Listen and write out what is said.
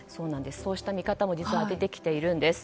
そうした見方も出てきているんです。